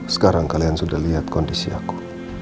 sekarang kalian sudah lihat kondisi aku